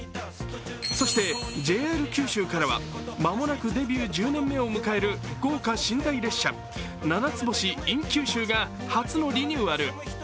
そしてＪＲ九州からは、間もなくデビュー１０年目を迎える豪華寝台列車ななつ星ｉｎ九州が初のリニューアル。